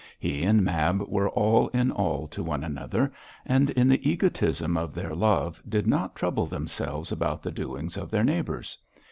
He and Mab were all in all to one another, and in the egotism of their love did not trouble themselves about the doings of their neighbours.